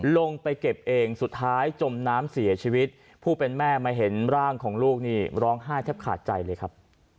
ลงไปเก็บเองสุดท้ายจมน้ำเสียชีวิตผู้เป็นแม่มาเห็นร่างของลูกนี่ร้องไห้แทบขาดใจเลยครับ